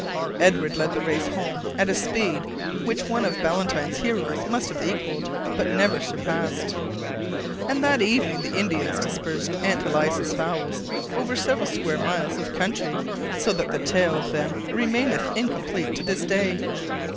Edward led the race home at a speed which one of Ballantyne's heroes might have equalled but never surpassed; and that evening the Indians dispersed Aunt Eliza's fowls over several square miles of country, so that the tale of them remaineth incomplete unto this day.